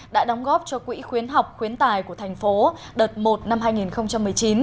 đã đóng góp cho quỹ khuyến học khuyến tài của thành phố đợt một năm hai nghìn một mươi chín